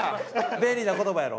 便利な言葉やろ？